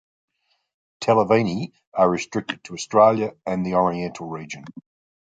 Tellervini are restricted to Australia and the Oriental region.